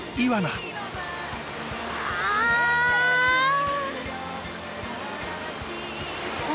ああ！